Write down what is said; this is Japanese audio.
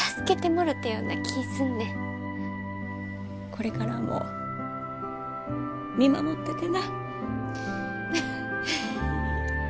これからも見守っててな。